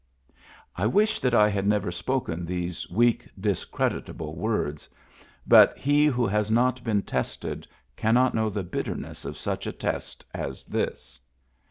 I wish that I had never spoken these weak, discreditable words; but he who has not been tested cannot know the bitterness of such a test as this.